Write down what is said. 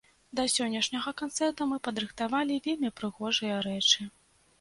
Да сённяшняга канцэрта мы падрыхтавалі вельмі прыгожыя рэчы.